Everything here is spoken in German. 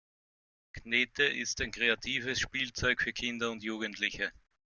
Knete ist ein kreatives Spielzeug für Kinder und Jugendliche.